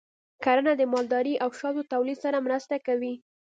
کرنه د مالدارۍ او شاتو تولید سره مرسته کوي.